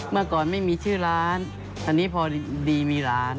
เมื่อก่อนไม่มีชื่อร้านอันนี้พอดีมีร้าน